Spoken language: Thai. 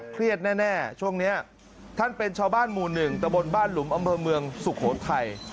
เครียดแน่ช่วงนี้ท่านเป็นชาวบ้านหมู่๑ตะบนบ้านหลุมอำเภอเมืองสุโขทัย